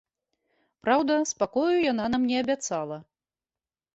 Праўда, спакою яна нам не абяцала.